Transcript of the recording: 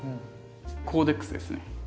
コーデックスですね。